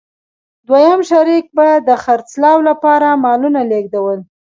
دویم شریک به د خرڅلاو لپاره مالونه لېږدول